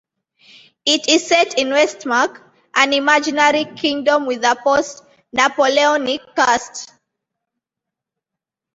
It is set in Westmark, "an imaginary kingdom with a post-Napoleonic cast".